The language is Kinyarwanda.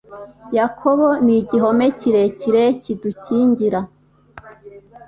Yakobo ni igihome kirekire kidukingira